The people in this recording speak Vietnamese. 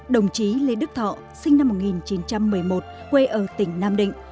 đồng chí lê đức thọ sinh năm một nghìn chín trăm một mươi một quê ở tỉnh nam định